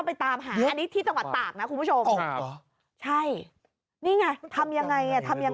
ไปตามหาอันนี้ที่ตะวัดตากนะคุณผู้ชมค่ะใช่นี่ไงทำยังไงทำอย่าง